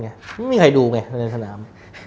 ไม่มีใครดูไงในสนาม